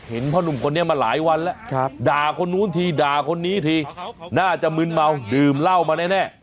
พ่อนุ่มคนนี้มาหลายวันแล้วด่าคนนู้นทีด่าคนนี้ทีน่าจะมึนเมาดื่มเหล้ามาแน่